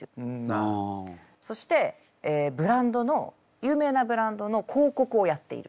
そしてブランドの有名なブランドの広告をやっている。